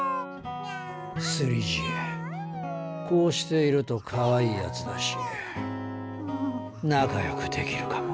スリジエこうしているとかわいいやつだし仲よくできるかも。